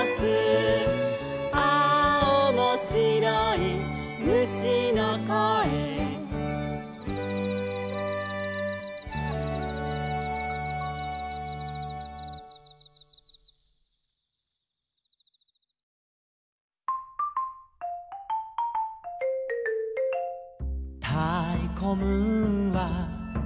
「ああおもしろい虫のこえ」「たいこムーンは」